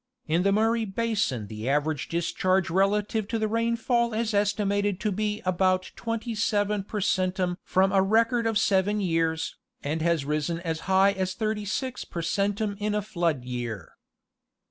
In the Mur ray basin the average discharge relative to the rainfall is esti mated to be about 27 per centum from a record of seven years, and has risen as high as 36 per centum in a flood year.